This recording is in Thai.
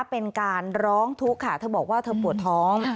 เป็นการร้องทุกข์ค่ะเธอบอกว่าเธอปวดท้อง